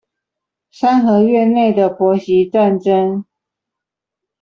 三合院內的婆媳戰爭